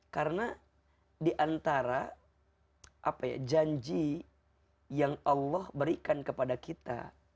karena diantara janji yang allah berikan kepada kita